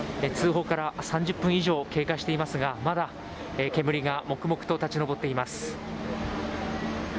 通報から３０分以上経過していますがまだ煙がもくもくと立ち上っています。